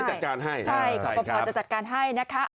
ขอบพอพอจะจัดการให้